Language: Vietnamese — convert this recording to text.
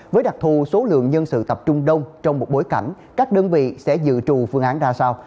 với đặc thù số lượng nhân sự tập trung đông trong một bối cảnh các đơn vị sẽ dự trù phương án ra sao